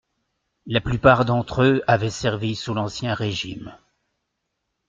La plupart d'entre eux avaient servi sous l'ancien régime.